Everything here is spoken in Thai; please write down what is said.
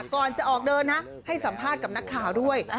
ก่อนจะออกเดินนะให้สัมภาษณ์กับนักข่าวด้วย